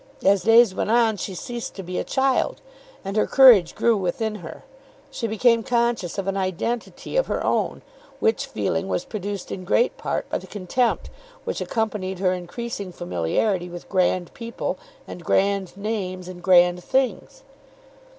As days went on she ceased to be a child, and her courage grew within her. She became conscious of an identity of her own, which feeling was produced in great part by the contempt which accompanied her increasing familiarity with grand people and grand names and grand things.